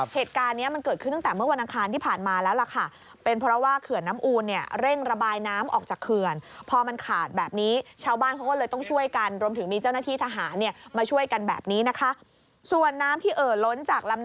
เหตุการณ์นี้มันเกิดขึ้นตั้งแต่เมื่อวันอังคารที่ผ่านมาแล้วล่ะค่ะ